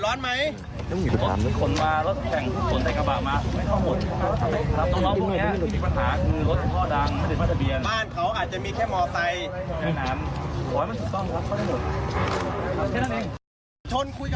โหมันถูกต้องครับเขาได้หยุด